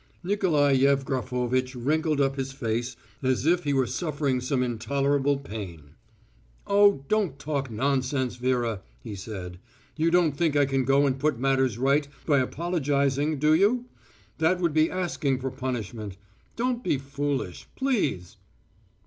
Nikolai Yevgrafovitch wrinkled up his face as if he were suffering some intolerable pain. "Oh, don't talk nonsense, Vera," he said. "You don't think I can go and put matters right by apologising, do you? That would be asking for punishment. Don't be foolish, please!"